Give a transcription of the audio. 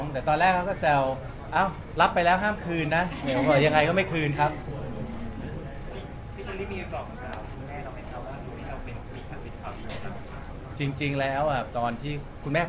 ได้เข้าไปปราบคุณผู้คุณย่าของพ่อคุณแม่